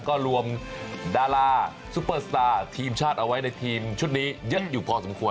ก็รวมดาราซุปเปอร์สตาร์ทีมชาติเอาไว้ในทีมชุดนี้เยอะอยู่พอสมควร